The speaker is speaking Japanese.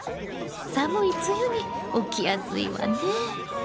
寒い梅雨に起きやすいわね。